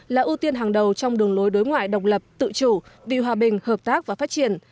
là ưu tiên hàng đầu trong đường lối đối ngoại độc lập tự chủ vì hòa bình hợp tác và phát triển